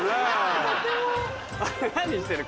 何してる？